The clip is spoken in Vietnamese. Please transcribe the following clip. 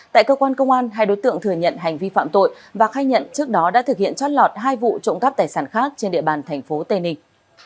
tại cơ quan công an hai đối tượng thừa nhận hành vi phạm tội và khai nhận trước đó đã thực hiện trót lọt hai vụ trộm cắp tài sản khác trên địa bàn tp tây ninh